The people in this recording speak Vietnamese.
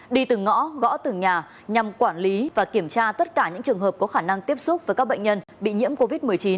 đi từng ngõ gõ từng nhà nhằm quản lý và kiểm tra tất cả những trường hợp có khả năng tiếp xúc với các bệnh nhân bị nhiễm covid một mươi chín